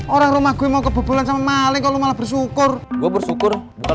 orang rumah gue mau kebobolan sama maling kalau malah bersyukur gue bersyukur